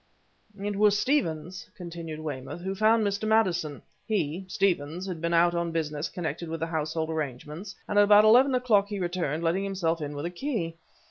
"It was Stevens," continued Weymouth, "who found Mr. Maddison. He (Stevens) had been out on business connected with the household arrangements, and at about eleven o'clock he returned, letting himself in with a key.